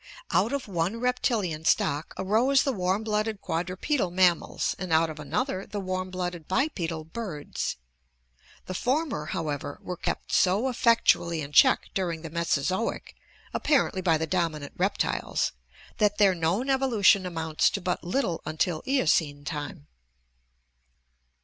Out of one reptilian stock arose the warm blooded quad rupedal mammals, and out of another the warm blooded bipedal birds. The former, however, were kept so effectually in check dur ing the Mesozoic, apparently by the dominant reptiles, that their known evolution amounts to but little until Eocene time.